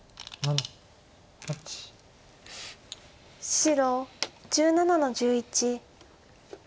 白１７の十一。